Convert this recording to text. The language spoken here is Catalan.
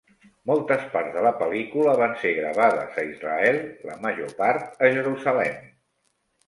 Moltes parts de la pel·lícula van ser gravades a Israel, la major part a Jerusalem.